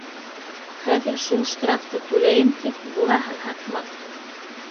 Хәҙер шул штрафты түләйем, тип бураһын һатмаҡ.